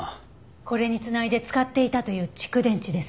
これに繋いで使っていたという蓄電池です。